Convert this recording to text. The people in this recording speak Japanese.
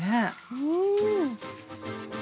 うん。